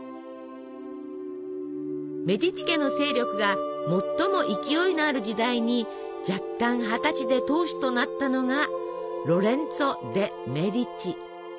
メディチ家の勢力が最も勢いのある時代に弱冠二十歳で当主となったのが「ＩｌＭａｇｎｉｆｉｃｏ」。